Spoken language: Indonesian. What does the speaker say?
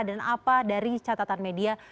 dan apa dari catatan media